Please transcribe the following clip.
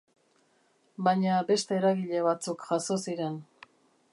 Baina beste eragile batzuk jazo ziren.